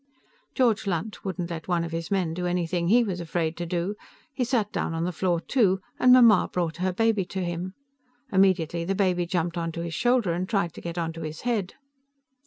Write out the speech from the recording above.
George Lunt wouldn't let one of his men do anything he was afraid to do; he sat down on the floor, too, and Mamma brought her baby to him. Immediately, the baby jumped onto his shoulder and tried to get onto his head.